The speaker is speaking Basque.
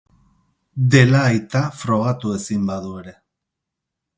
Dela aita, frogatu ezin badu ere.